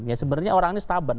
ya sebenarnya orang ini stabil